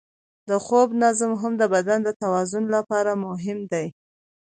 د خوب نظم هم د بدن د توازن لپاره مهم دی.